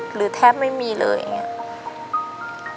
แทบไม่มีเลยอย่างนี้